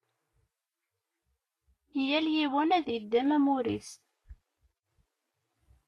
Yal yiwen ad yeddem amur-is.